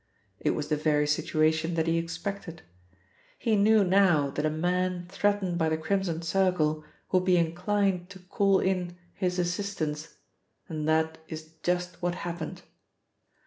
It was the very situation that he expected. He knew now that a man threatened by the Crimson Circle would be inclined to call in his assistance, and that is just what happened.